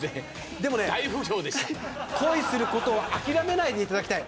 でも、恋することを諦めないでいただきたい。